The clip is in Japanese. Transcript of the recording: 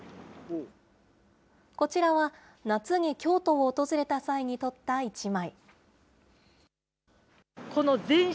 こちらは、夏に京都を訪れた際に撮った１枚。